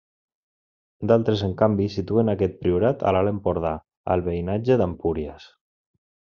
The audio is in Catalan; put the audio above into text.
D'altres en canvi, situen aquest priorat a l'alt Empordà, al veïnatge d'Empúries.